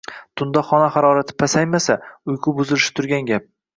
Tunda xona harorati pasaymasa, uyqu buzilishi turgan gap.